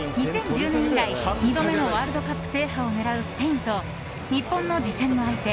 ２０１０年以来２度目のワールドカップ制覇を狙うスペインと日本の次戦の相手